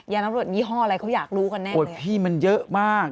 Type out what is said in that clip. ยาน้ำรวดยี่ห้ออะไรเขาอยากรู้กันแน่เลยเลยอุ๊ยพี่มันเยอะมาก